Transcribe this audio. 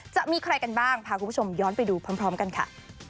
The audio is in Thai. จะมีใครกันบ้างพาคุณผู้ชมย้อนไปดูพร้อมกันค่ะ